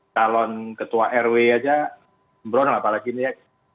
calon ketua rw aja sembrono apalagi ini ya